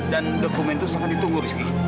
dan dokumen itu sangat ditunggu rizky